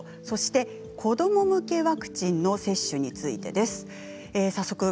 そして子ども向けワクチンの接種についてです。